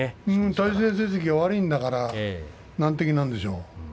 対戦成績は悪いんだから難敵なんでしょうね。